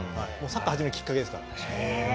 サッカー始めるきっかけですから。